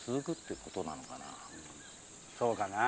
そうかな？